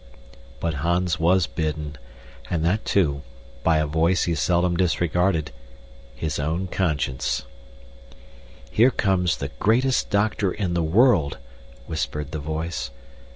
But Hans WAS bidden, and that, too, by a voice he seldom disregarded his own conscience. "Here comes the greatest doctor in the world," whispered the voice.